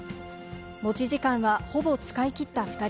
持ち時間はほぼ使い切った２人。